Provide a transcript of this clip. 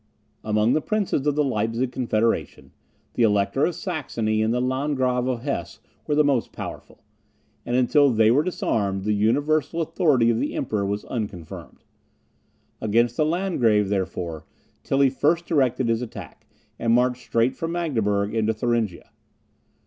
Among the princes of the Leipzig Confederation, the Elector of Saxony and the Landgrave of Hesse were the most powerful; and, until they were disarmed, the universal authority of the Emperor was unconfirmed. Against the Landgrave, therefore, Tilly first directed his attack, and marched straight from Magdeburg into Thuringia.